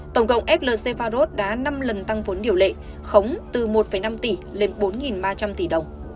tổng cộng flc pharos đã năm lần tăng vốn điều lệ khống từ một năm tỷ lên bốn ba trăm linh tỷ đồng